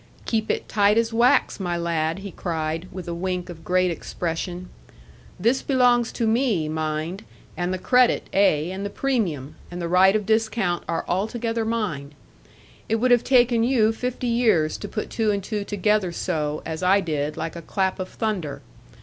'Keep it tight as wax, my lad,' he cried, with a wink of great expression; 'this belongs to me, mind; and the credit, ay, and the premium, and the right of discount, are altogether mine. It would have taken you fifty years to put two and two together so, as I did, like a clap of thunder.